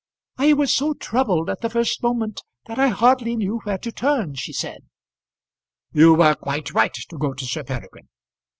"I was so troubled at the first moment that I hardly knew where to turn," she said. "You were quite right to go to Sir Peregrine."